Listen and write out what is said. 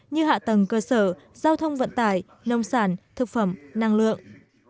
như hạ tầng cơ sở giao thông vận tải nông sản thực phẩm năng lượng